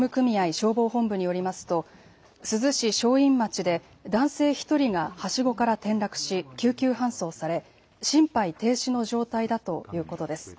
消防本部によりますと珠洲市正院町で男性１人がはしごから転落し救急搬送され心配停止の状態だということです。